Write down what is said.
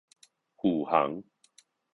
虎航